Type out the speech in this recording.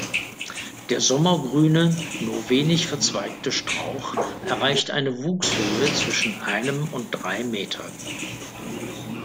Der sommergrüne, nur wenig verzweigte Strauch erreicht eine Wuchshöhe zwischen einem und drei Meter.